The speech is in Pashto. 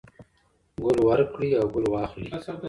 ګل ورکړئ او ګل واخلئ.